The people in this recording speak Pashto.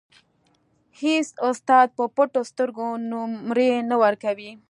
اېڅ استاد په پټو سترګو نومرې نه ورکوي.